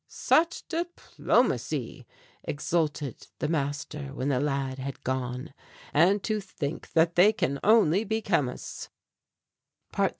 "Such diplomacy!" exulted the master when the lad had gone, "and to think that they can only be chemists!"